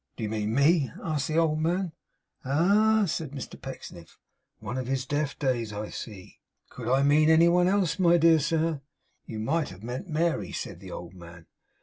'Do you mean me?' asked the old man. 'Ah!' said Mr Pecksniff, 'one of his deaf days, I see. Could I mean any one else, my dear sir?' 'You might have meant Mary,' said the old man.